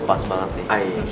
pas banget sih